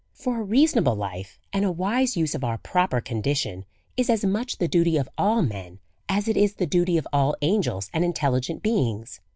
For a reasonable life, and a wise use of our proper condition, is as much the duty of all men, as it is the duty of all angels and intelligent beings.